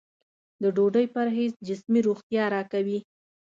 د ډوډۍ پرهېز جسمي روغتیا راکوي.